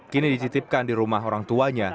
kini dititipkan di rumah orang tuanya